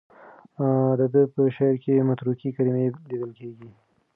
د ده په شعر کې متروکې کلمې لیدل کېږي.